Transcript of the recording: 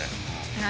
何？